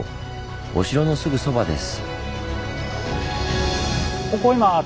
お城のすぐそばです。